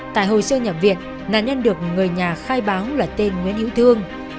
tại hồ sơ nhập viện nạn nhân được người nhà khai báo là tên nguyễn hữu thương